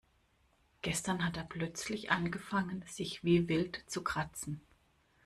Gestern hat er plötzlich angefangen sich wie wild zu kratzen.